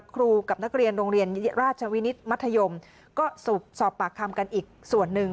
กับนักเรียนโรงเรียนราชวินิตมัธยมก็สอบปากคำกันอีกส่วนหนึ่ง